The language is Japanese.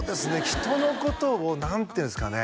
人のことを何ていうんですかね